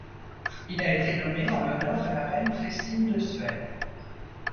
Il a été nommé en l'honneur de la reine Christine de Suède.